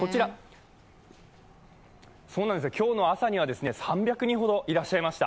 今日の朝には３００人ほど、お客さんいらっしゃいました。